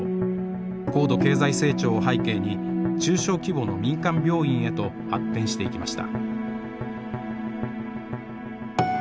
高度経済成長を背景に中小規模の民間病院へと発展していきました。